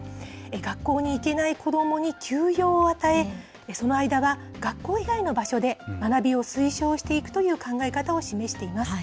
学校に行けない子どもに休養を与え、その間は学校以外の場所で、学びを推奨していくという考え方を示しています。